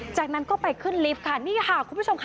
จากนั้นก็ไปขึ้นลิฟต์ค่ะนี่ค่ะคุณผู้ชมค่ะ